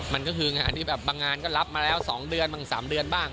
มันก็คืองานที่แบบบางงานก็รับมาแล้ว๒เดือนบ้าง๓เดือนบ้าง